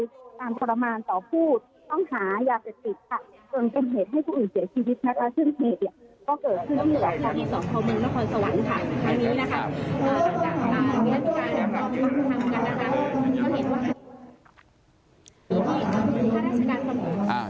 ติดเกินเป็นเหตุให้ผู้อื่นเสียชีวิตนะคะ